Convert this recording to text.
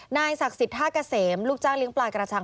นายศักดิ์สิทธิท่าเกษมลูกจ้างเลี้ยงปลากระชัง